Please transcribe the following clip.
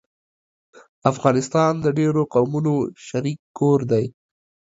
افغانستان د ډېرو قومونو شريک کور دی